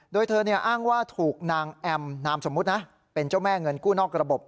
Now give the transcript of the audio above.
โดยเธออ้างว่าถูกนางแอมนามสมมุตินะเป็นเจ้าแม่เงินกู้นอกระบบ